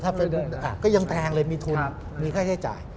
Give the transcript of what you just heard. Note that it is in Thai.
ถ้าเป็นก็ยังแพงเลยมีทุนมีค่าใช้จ่าย